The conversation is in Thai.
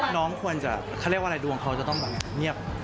น้องควรจะเขาเรียกว่าอะไรดวงเขาจะต้องแบบเงียบ